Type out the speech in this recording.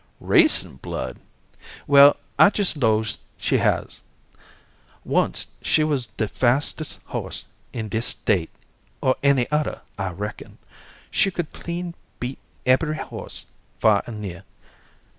"Racing blood? Well, I jes' 'lows she has. Onct she wuz de fastest horse in dis State or any odder, I reckon. She could clean beat ebbery horse far and near.